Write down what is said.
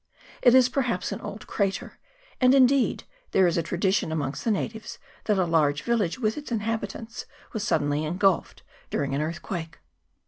It is perhaps an old crater; and, indeed, there is a tradition amongst the natives that a large village with its inhabitants was suddenly engulfed during an earthquake.